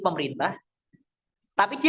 pemerintah tapi dia